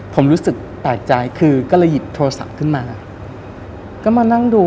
ผมรู้สึกแปลกใจคือก็เลยหยิบโทรศัพท์ขึ้นมาก็มานั่งดู